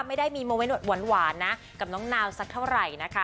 ไม่ได้มีโมเมนต์หวานนะกับน้องนาวสักเท่าไหร่นะคะ